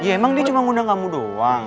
ya emang dia cuma ngundang kamu doang